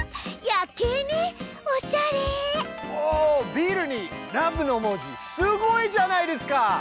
ビルに「ＬＯＶＥ」の文字すごいじゃないですか！